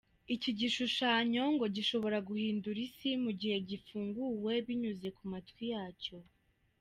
Iki gushushanyo ngo gishobora guhindura isi mu gihe gifunguwe binyuze ku matwi yacyo.